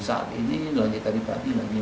saat ini tadi tadi lagi